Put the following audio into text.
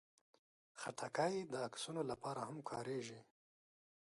خټکی د عکسونو لپاره هم کارېږي.